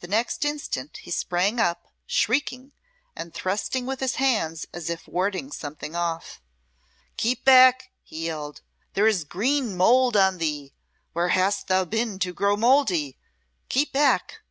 The next instant he sprang up, shrieking, and thrusting with his hands as if warding something off. "Keep back!" he yelled. "There is green mould on thee. Where hast thou been to grow mouldy? Keep back!